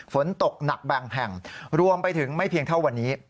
ฝนตกหนักบางแห่งรวมไปถึงไม่เพียงเท่าวันนี้